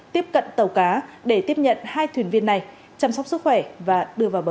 tiếp cận tàu cá để tiếp nhận hai thuyền viên này chăm sóc sức khỏe và đưa vào bờ